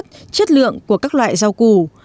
góp phần nâng cao năng suất chất lượng của các loại rau củ